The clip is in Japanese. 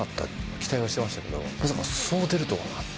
期待はしてましたけど、まさか、そう出るとはなと。